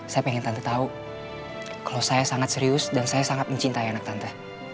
saya pengen tante tahu kalau saya sangat serius dan saya sangat mencintai anak tante